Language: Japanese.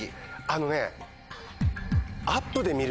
あのね。